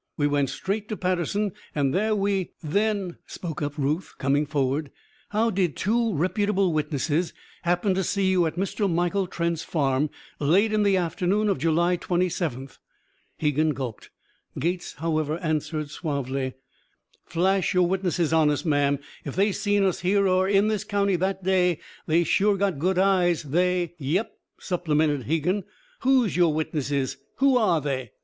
We went straight to Paterson; and there we " "Then," spoke up Ruth, coming forward, "how did two reputable witnesses happen to see you at Mr. Michael Trent's farm late on the afternoon of July twenty seventh?" Hegan gulped. Gates, however, answered suavely: "Flash your witnesses on us, ma'am. If they seen us here or in this county that day they sure got good eyes. They " "Yep!" supplemented Hegan. "Who's your witnesses? Who are they?"